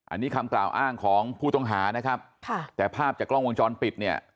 อันนี้คำกล่าวอ้างของผู้ต้องหานะครับค่ะแต่ภาพจากกล้องวงจรปิดเนี่ย